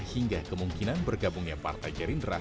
hingga kemungkinan bergabungnya partai gerindra